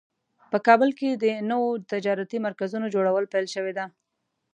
په کابل کې د نوو تجارتي مرکزونو جوړول پیل شوی ده